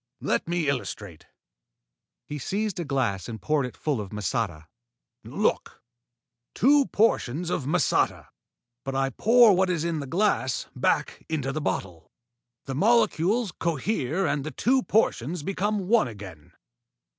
Let me illustrate." He seized a glass and poured it full of masata. "Look! Two portions of masata. But I pour what is in the glass back into the bottle. The molecules cohere and the two portions become one again.